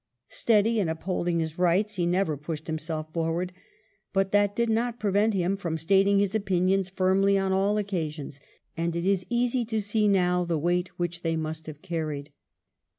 Steady in upholding his rights, he never pushed himself forward ; but that did not prevent him from stating his opinions firmly on all occasions, and it is easy to see now the weight which they must have carried.